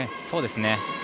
そうですね。